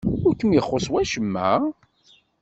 Ur kem-ixuṣṣ wacemma?